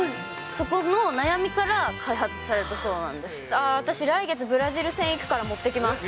そこの悩みから開発されたそうな私、来月、ブラジル戦行くから、持っていきます。